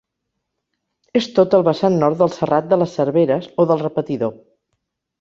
És tot el vessant nord del Serrat de les Serveres, o del Repetidor.